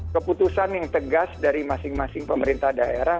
keputusan yang tegas dari masing masing pemerintah daerah